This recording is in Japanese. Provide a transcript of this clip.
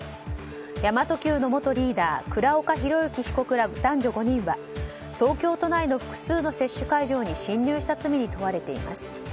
神真都Ｑの元リーダー倉岡宏行被告ら、男女５人は東京都内の複数の接種会場に侵入した罪に問われています。